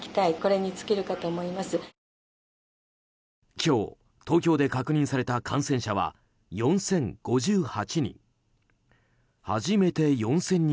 今日、東京で確認された感染者は４０５８人。